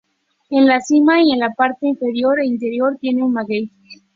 En la cima y en la parte inferior e interior tiene un maguey.